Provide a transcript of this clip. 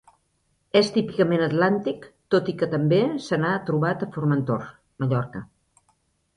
És típicament atlàntic, tot i que també se n'ha trobat a Formentor, Mallorca.